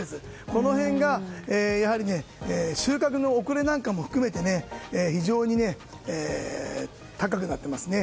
この辺が収穫の遅れなんかも含めて非常に高くなっていますね。